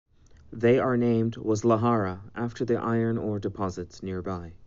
They are named was Lohara, after the iron ore deposits nearby.